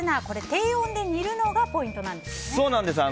低温で煮るのがポイントなんですよね。